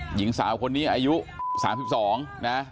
หญิงสาวคนนี้อายุ๓๒นะ